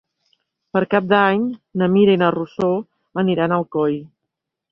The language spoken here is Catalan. Per Cap d'Any na Mira i na Rosó aniran a Alcoi.